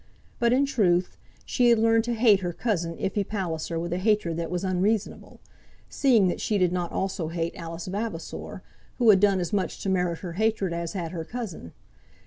But, in truth, she had learned to hate her cousin Iphy Palliser with a hatred that was unreasonable, seeing that she did not also hate Alice Vavasor, who had done as much to merit her hatred as had her cousin.